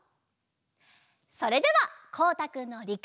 それではこうたくんのリクエストで。